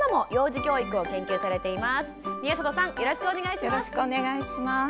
よろしくお願いします。